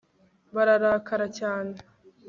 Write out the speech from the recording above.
bararakara cyane